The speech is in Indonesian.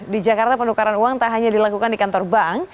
di jakarta penukaran uang tak hanya dilakukan di kantor bank